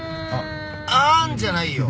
「あーん」じゃないよ！